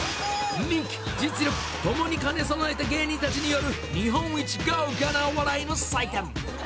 人気、実力共に兼ね備えた芸人たちによる日本一豪華なお笑いの祭典。